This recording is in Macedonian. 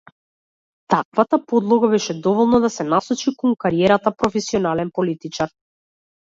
Таквата подлога беше доволна да се насочи кон кариерата професионален политичар.